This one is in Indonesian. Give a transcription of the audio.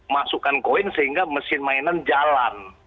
masukkan koin sehingga mesin mainan jalan